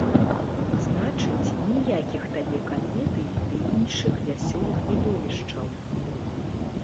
Значыць, ніякіх табе камедый ды іншых вясёлых відовішчаў.